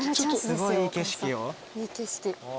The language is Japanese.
すごいいい景色よ。